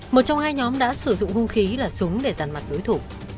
một trong hai nhóm đã sử dụng hung khí là súng để giàn mặt đối thủ